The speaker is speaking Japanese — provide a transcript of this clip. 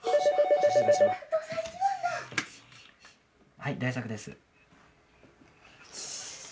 ☎はい大作です。